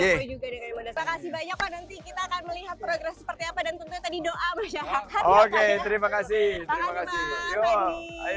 terima kasih banyak pak nanti kita akan melihat progres seperti apa dan tentunya tadi doa masyarakat